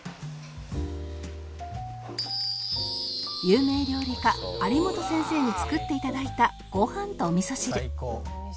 有名料理家有元先生に作っていただいたご飯とお味噌汁